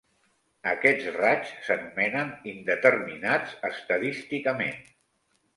Aquests raigs s'anomenen "indeterminats estadísticament".